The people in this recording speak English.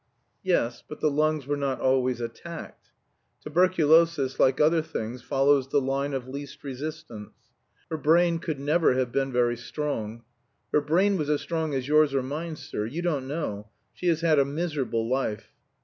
Yes, but the lungs were not always attacked. Tuberculosis, like other things, follows the line of least resistance. Her brain could never have been very strong. "Her brain was as strong as yours or mine, sir. You don't know; she has had a miserable life."